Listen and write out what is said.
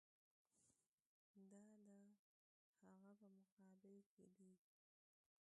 دا د هغه په مقابل کې دي.